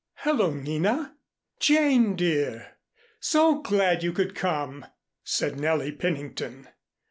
"Hello, Nina! Jane, dear, so glad you could come!" said Nellie Pennington.